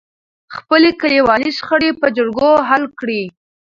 خپلې کليوالې شخړې په جرګو حل کړئ.